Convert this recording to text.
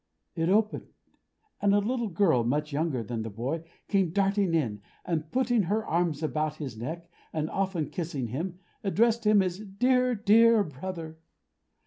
It opened; and a little girl much younger than the boy, came darting in, and putting her arms about his neck, and often kissing him, addressed him as her "Dear, dear brother."